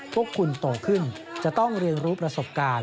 พวกคุณโตขึ้นจะต้องเรียนรู้ประสบการณ์